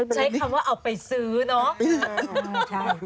ใช้คำว่าเอาไปซื้อเนาะ